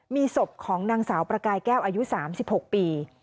มีศพของนางสาวประกายแก้วอายุ๓๖ปี